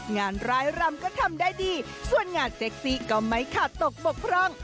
ร้ายรำก็ทำได้ดีส่วนงานเซ็กซี่ก็ไม่ขาดตกบกพร่อง